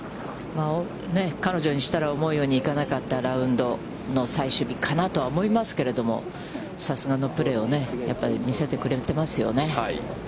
彼女にしたら、思うようにいかなかったラウンドの最終日かなとは思いますけれども、さすがのプレーをやっぱり見せてくれていますよね。